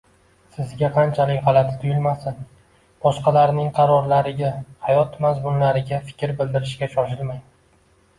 Sizga qanchalik g’alati tuyulmasin, boshqalarning qarorlariga, hayot mazmunlariga fikr bildirishga shoshilmang